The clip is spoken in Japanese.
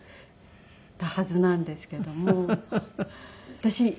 私